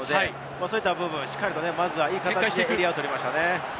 そういった部分、いい形でエリアを取りましたね。